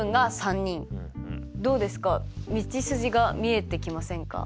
どうですか道筋が見えてきませんか？